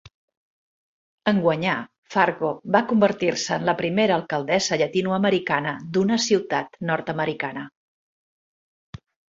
En guanyar, Fargo va convertir-se en la primera alcaldessa llatinoamericana d'una ciutat nord-americana.